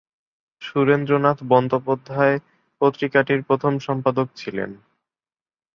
সুরেন্দ্রনাথ বন্দ্যোপাধ্যায় পত্রিকাটির প্রথম সম্পাদক ছিলেন।